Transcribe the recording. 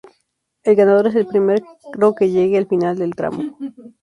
El ganador es el primero que llegue al final del tramo.